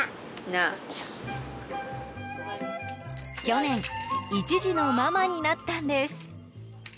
去年１児のママになったんです。